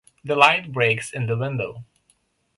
The light breaks in the window.